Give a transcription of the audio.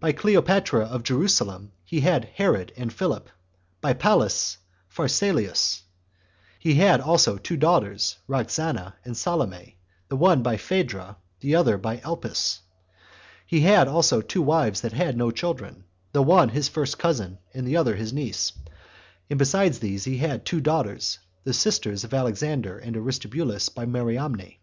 By Cleopatra of Jerusalem he had Herod and Philip; and by Pallas, Phasaelus; he had also two daughters, Roxana and Salome, the one by Phedra, and the other by Elpis; he had also two wives that had no children, the one his first cousin, and the other his niece; and besides these he had two daughters, the sisters of Alexander and Aristobulus, by Mariamne.